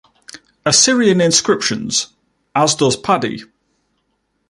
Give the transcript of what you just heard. Assyrian inscriptions, as does Padi.